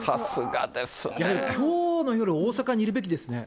きょうの夜、大阪にいるべきですね。